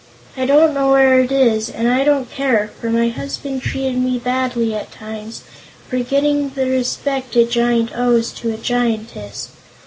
I don't know where it is, and I don't care, for my husband treated me badly at times, forgetting the respect a giant owes to a giantess.